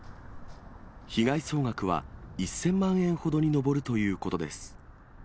被害総額は１０００万円ほどに上るということです。